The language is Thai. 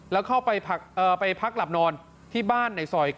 แล้วเข้าไปพักเอ่อไปพักหลับนอนที่บ้านในสอย